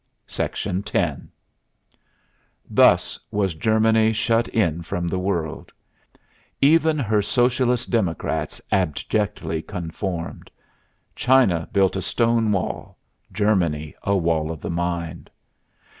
X Thus was Germany shut in from the world. Even her Socialist Democrats abjectly conformed. China built a stone wall, Germany a wall of the mind.